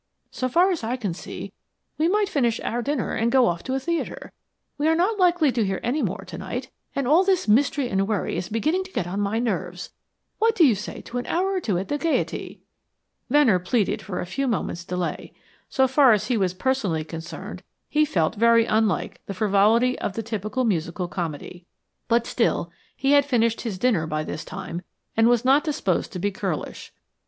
So far as I can see we might finish our dinner and go off to a theatre. We are not likely to hear any more to night, and all this mystery and worry is beginning to get on my nerves. What do you say to an hour or two at the Gaiety?" Venner pleaded for a few moments' delay. So far as he was personally concerned he felt very unlike the frivolity of the typical musical comedy; but still, he had finished his dinner by this time and was not disposed to be churlish.